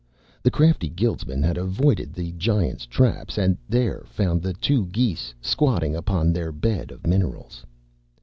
The crafty guildsman had avoided the Giant's traps and there found the two geese squatting upon their bed of minerals.